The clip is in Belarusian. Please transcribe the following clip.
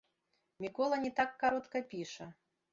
Мікола не так каротка піша.